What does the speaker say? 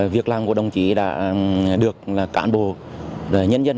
việc làm của đồng chí đã được cán bộ nhân dân